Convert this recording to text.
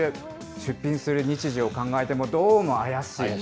出品する日時を考えても、どうも怪しい。